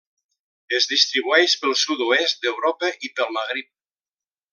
Es distribueix pel sud-oest d'Europa i pel Magrib.